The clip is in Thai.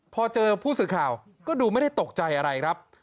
พอเจอผู้สื่อข่าวก็ดูไม่ได้ตกใจอะไรครับ